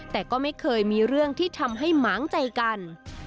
แต่ก็ไม่เคยมีเรื่องที่ทำให้หมางใจกัน